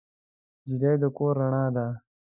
نجلۍ د کور رڼا ده.